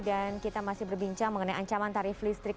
dan kita masih berbincang mengenai ancaman tarif listrik